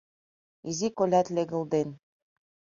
Изи колят легылден.